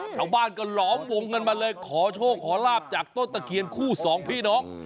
ชาวบ้านก็หลอมวงกันมาเลยขอโชคขอลาบจากต้นตะเคียนคู่สองพี่น้อง